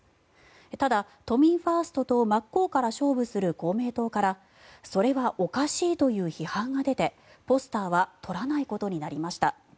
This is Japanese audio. ただ、都民ファーストと真っ向から勝負する公明党からそれはおかしいという批判が出てポスターは撮らないことになりました。